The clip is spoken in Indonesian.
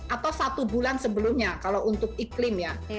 atau satu bulan sebelumnya kalau untuk iklim ya